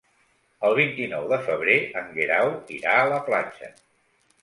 El vint-i-nou de febrer en Guerau irà a la platja.